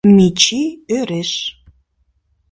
Мичий ӧреш.